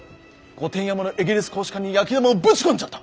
御殿山のエゲレス公使館に焼玉をぶち込んじゃった。